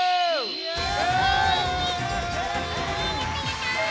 イエイ！